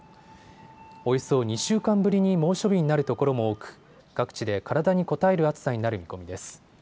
およそ２週間ぶりに猛暑日になるところも多く各地で体にこたえる暑さになる見込みです。